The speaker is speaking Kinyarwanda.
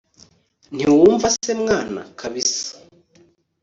ntiwumva se mwana, kabisa